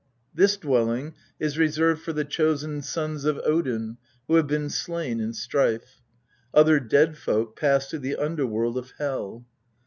This dwelling is reserved for the chosen sons of Odin who have been slain in strife; other dead folk pass to the underworld of Hel.